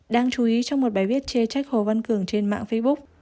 đáng chú ý trong một bài viết chê trách hồ văn cường trên mạng facebook